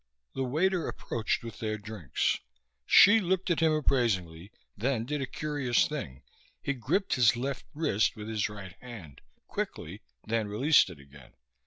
The waiter approached with their drinks. Hsi looked at him appraisingly, then did a curious thing. He gripped his left wrist with his right hand, quickly, then released it again.